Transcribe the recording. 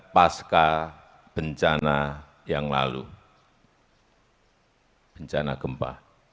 pasca bencana yang lalu bencana gempa